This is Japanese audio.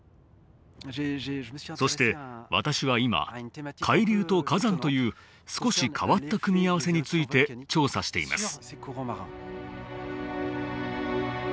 そして私は今海流と火山という少し変わった組み合わせについて調査しています。